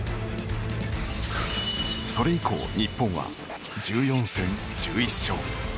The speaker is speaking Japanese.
それ以降、日本は１４戦１１勝。